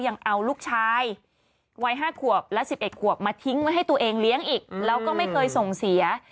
ยังเอาลูกชายวัย๕ขวบและ๑๑ขวบมาทิ้งไว้ให้ตัวเองเลี้ยงอีกแล้วก็ไม่เคยส่งเสีย